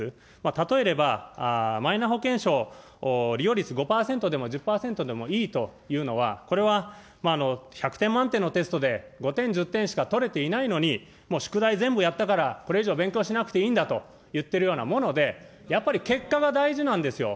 例えれば、マイナ保険証利用率５％でも１０％でもいいというのは、これは１００点満点のテストで５点、１０点しか取れていないのに、もう宿題全部やったからこれ以上勉強しなくていいんだと言っているようなもので、やっぱり結果が大事なんですよ。